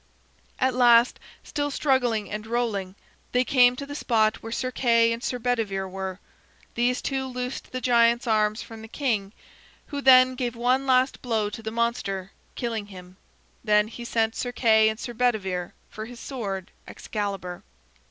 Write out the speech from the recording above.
At last, still struggling and rolling, they came to the spot where Sir Kay and Sir Bedivere were. These two loosed the giant's arms from the king, who then gave one last blow to the monster, killing him. Then he sent Sir Kay and Sir Bedivere for his sword Excalibur.